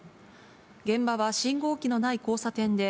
現場は信号機のない交差点で、